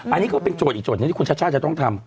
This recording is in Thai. อันนี้ก็เป็นโจทย์อีกโจทย์ที่คุณชาชาจะต้องทำ